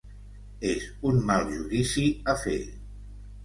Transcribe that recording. És un mal judici a fer.